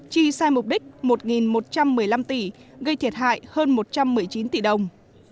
chi sai mục đích một một trăm một mươi năm tỷ gây thiệt hại hơn một trăm một mươi chín tỷ đồng